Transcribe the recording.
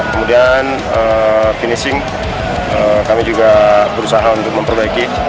kemudian finishing kami juga berusaha untuk memperbaiki